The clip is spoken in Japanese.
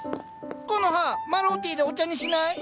コノハマロウティーでお茶にしない？